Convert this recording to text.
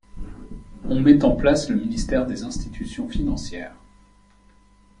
On met en place le ministère des Institutions financières.